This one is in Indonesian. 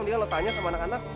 mendingan lo tanya sama anak anak